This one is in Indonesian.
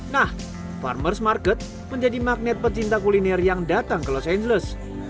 nah farmers ⁇ market menjadi magnet pecinta kuliner yang datang ke los angeles